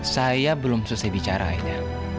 saya belum selesai bicara aida